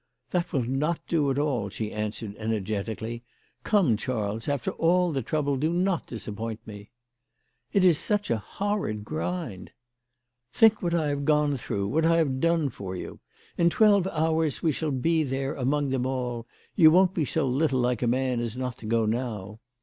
" That will not do at all," she answered, ener getically. " Come, Charles, after all the trouble do not disappoint me." "It is such a horrid grind." " Think what I have gone through, what I have done for you ! In twelve hours we shall be there, among them all. You won't be so little like a man as not to go on now."